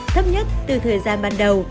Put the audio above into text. thấp nhất từ thời gian ban đầu